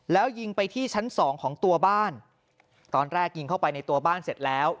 แล้วยิงไปที่ชั้นสองของตัวบ้านตอนแรกยิงเข้าไปในตัวบ้านเสร็จแล้ว